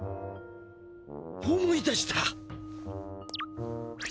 思い出した！